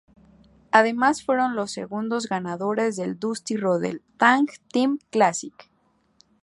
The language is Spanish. Además fueron los segundos ganadores del Dusty Rhodes Tag Team Classic.